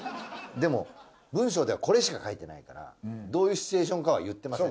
でも文章ではこれしか書いてないからどういうシチュエーションかは言ってません。